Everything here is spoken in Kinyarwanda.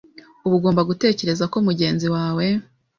uba ugomba gutekereza ko mugenzi wawe